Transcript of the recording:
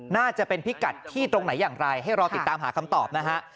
น่าจะเป็นพิกัดที่ตรงไหนอย่างไรให้รอติดตามหาคำตอบนะฮะ